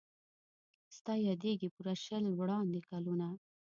ستا یادیږي پوره شل وړاندي کلونه